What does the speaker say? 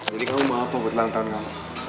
jadi kamu mau apa buat ulang tahun kamu